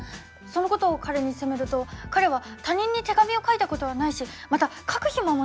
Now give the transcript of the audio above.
そのことを彼に責めると彼は他人に手紙を書いたことはないしまた書く暇もないと言うのです。